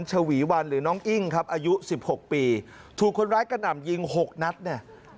ฉวีวันหรือน้องอิ้งครับอายุสิบหกปีถูกคนร้ายกระหน่ำยิงหกนัดเนี่ย